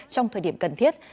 trong thời điểm cần thiết